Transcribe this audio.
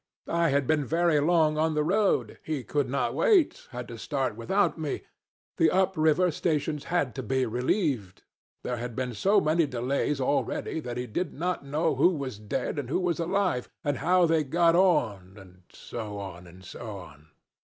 I had been very long on the road. He could not wait. Had to start without me. The up river stations had to be relieved. There had been so many delays already that he did not know who was dead and who was alive, and how they got on and so on, and so on.